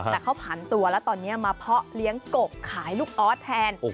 แต่เขาผันตัวแล้วตอนนี้มาเพาะเลี้ยงกบขายลูกออสแทน